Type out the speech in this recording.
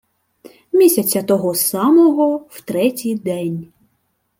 Місяця того самого в третій день